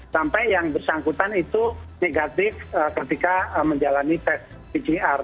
sampai yang bersangkutan itu negatif ketika menjalani tes pcr